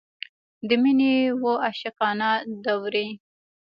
د مینې اوه عاشقانه دورې.